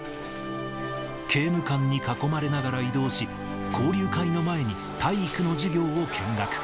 刑務官に囲まれながら移動し、交流会の前に、体育の授業を見学。